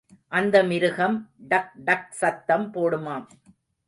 அந்த மிருகம் டக்டக் சத்தம் போடுமாம்.